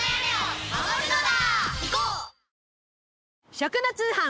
食の通販。